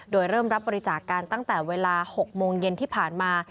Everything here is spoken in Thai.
โดยเริ่มรับบริจาคกันตั้งแต่เวลา๖โมงเย็นที่ผ่านมา